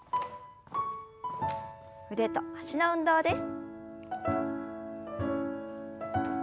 腕と脚の運動です。